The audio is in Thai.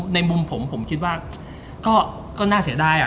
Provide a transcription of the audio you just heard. ในมุมผมผมคิดว่าก็น่าเสียดาย